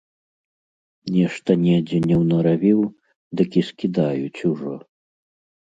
Нешта недзе не ўнаравіў, дык і скідаюць ужо.